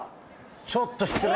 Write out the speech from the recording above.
ちょっと失礼。